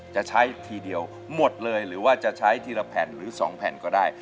จะใช้ทีเดียวหมดเลยหรือว่าจะใช้ทีละแผ่นหรือ๒แผ่นก็ได้